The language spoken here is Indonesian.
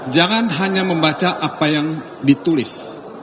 jangan hanya membaca apa yang ditulis